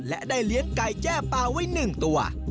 และได้เลี้ยงไก่แจ้ปลาไว้๑ตัว